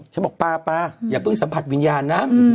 ฉันบอกปลาอย่าเพิ่งสัมผัสวิญญาณนะ